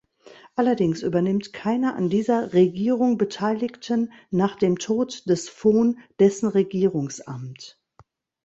Allerdings übernimmt keiner an dieser „Regierung“ beteiligten nach dem Tod des Fon dessen Regierungsamt.